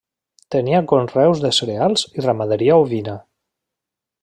Tenia conreus de cereals i ramaderia ovina.